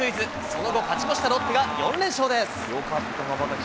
その後、勝ち越したロッテが４連勝です。